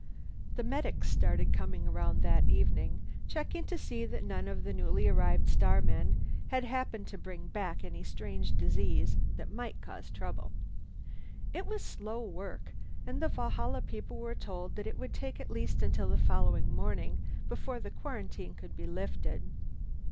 The medics started coming around that evening, checking to see that none of the newly arrived starmen had happened to bring back any strange disease that might cause trouble. It was slow work and the Valhalla people were told that it would take at least until the following morning before the quarantine could be lifted.